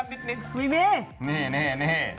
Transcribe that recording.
พี่มี